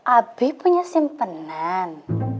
abii punya simpenan